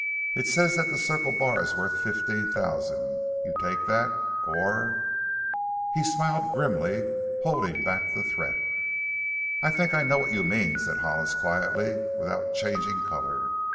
It says that the Circle Bar is worth fifteen thousand. You'll take that or " He smiled grimly, holding back the threat. "I think I know what you mean," said Hollis quietly, without changing color.